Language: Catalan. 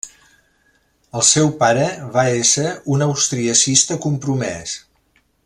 El seu pare va ésser un austriacista compromès.